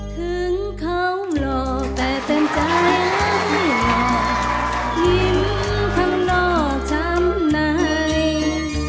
ถึงเขาหลอกแต่เต็มใจยิ้มข้างนอกช้ำใน